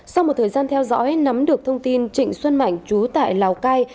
sau một thời gian theo dõi nắm được thông tin trịnh xuân mạnh chú tại lào cai